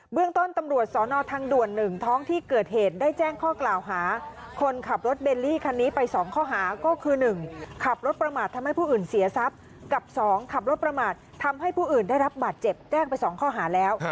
เรื่องต้นตำรวจสนทางด่วน๑ท้องที่เกิดเหตุได้แจ้งข้อกล่าวหาคนขับรถเบลลี่คันนี้ไป๒ข้อหาก็คือ๑ขับรถประมาททำให้ผู้อื่นเสียทรัพย์กับ๒ขับรถประมาททำให้ผู้อื่นได้รับบาดเจ็บแจ้งไป๒ข้อหาแล้ว